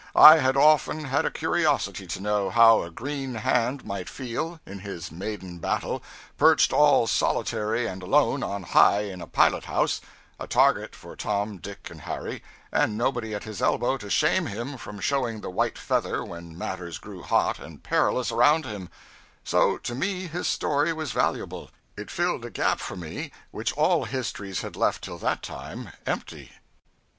I had often had a curiosity to know how a green hand might feel, in his maiden battle, perched all solitary and alone on high in a pilot house, a target for Tom, Dick and Harry, and nobody at his elbow to shame him from showing the white feather when matters grew hot and perilous around him; so, to me his story was valuable it filled a gap for me which all histories had left till that time empty.